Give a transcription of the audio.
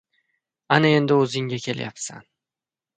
— Ana endi o‘zingga kelyapsan!